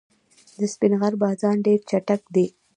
د سپین غر بازان ډېر چټک دي.